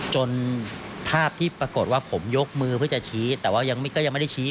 จนภาพที่ปรากฏว่าผมยกมือเพื่อจะชี้แต่ว่าก็ยังไม่ได้ชี้